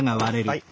はい。